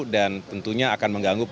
dan tentunya akan mengganggu